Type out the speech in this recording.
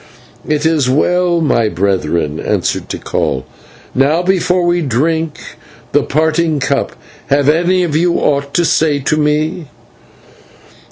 "It is well, my brethren," answered Tikal. "Now, before we drink the parting cup, have any of you ought to say to me?"